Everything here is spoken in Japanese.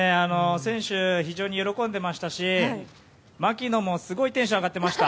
選手、非常に喜んでましたし槙野もすごいテンションが上がっていました。